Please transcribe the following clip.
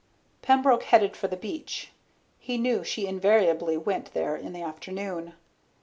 Pembroke headed for the beach. He knew she invariably went there in the afternoon.